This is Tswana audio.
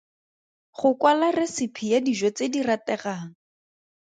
Go kwala resipi ya dijo tse di rategang.